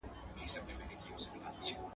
• انسان د احسان تابع دئ.